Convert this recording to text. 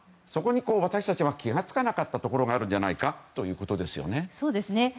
そこに私たちは気づかなかったところがあるんじゃないかということですよね。